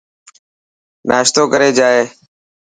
ناشتوي ڪري جائي.